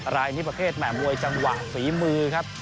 รายนี้ประเภทแห่มวยจังหวะฝีมือครับ